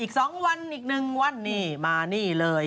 อีก๒วันอีก๑วันนี่มานี่เลย